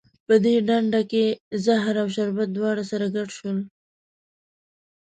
په دې ډنډه کې زهر او شربت دواړه سره ګډ شول.